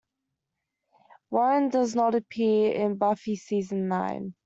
Warren does not appear in Buffy Season Nine.